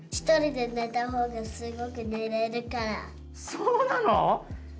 そうなの？